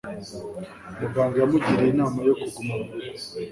Muganga yamugiriye inama yo kuguma murugo